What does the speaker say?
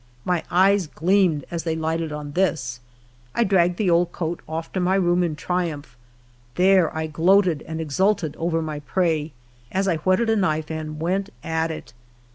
My eyes gleamed as they lighted on this! I dragged the old coat oft' to my room in triumph; there I gloated and exulted over my prey, as I whetted a knife and went at it.